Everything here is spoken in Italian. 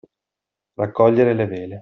Raccogliere le vele.